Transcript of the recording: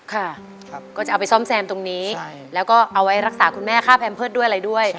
ค่ะก็จะเอาไปซ่อมแซมตรงนี้แล้วก็เอาไว้รักษาคุณแม่ค่าแพมเพิร์ตด้วยอะไรด้วย